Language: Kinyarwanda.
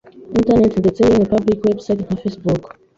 Internet ndetse yewe public website nka Facebook,